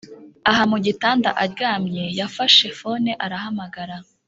aha mugitanda aryamye yafashe fone arahamagara